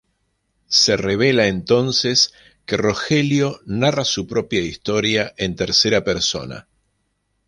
Se revela entonces que Rogelio narra su propia historia, en tercera persona.